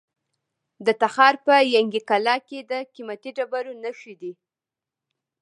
د تخار په ینګي قلعه کې د قیمتي ډبرو نښې دي.